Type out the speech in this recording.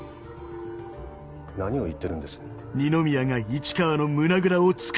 何を言ってるんです？